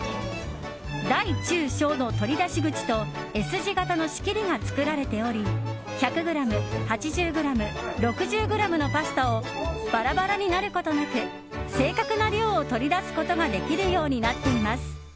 大・中・小の取り出し口とＳ字形の仕切りが作られており１００ｇ、８０ｇ６０ｇのパスタをバラバラになることなく正確な量を取り出すことができるようになっています。